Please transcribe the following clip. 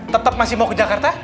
tetap masih mau ke jakarta